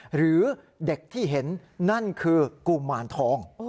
หรือเด็กที่เห็นนั่นคือกุมารทอง